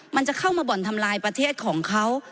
มันจะเข้ามาบ่อนทำลายประเทศของเขา